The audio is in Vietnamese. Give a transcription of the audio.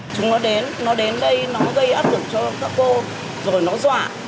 chúng nó đến nó đến đây nó gây áp lực cho các cô rồi nó dọa